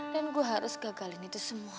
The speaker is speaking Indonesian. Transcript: dan gue harus gagalin itu semua